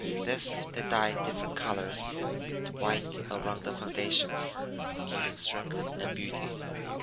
This they dye different colors and wind around the foundations, giving strength and beauty.